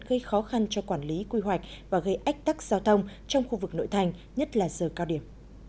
gây khó khăn cho quản lý quy hoạch và gây ách tắc giao thông trong khu vực nội thành nhất là giờ cao điểm